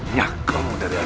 nyakamu dari hadapanku